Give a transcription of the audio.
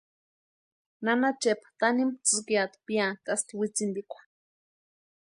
Nana Chepa tanimu tsïkiata piantʼasti wintsintikwa.